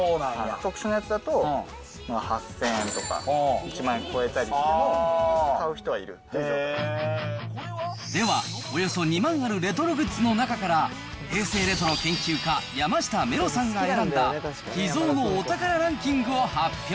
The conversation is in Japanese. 特殊なやつだと、８０００円とか、１万円超えたりしても、買では、およそ２万あるレトログッズの中から、平成レトロ研究家、山下メロさんが選んだ秘蔵のお宝ランキングを発表。